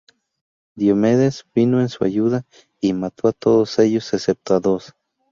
Diomedes vino en su ayuda y mató a todos ellos excepto a dos.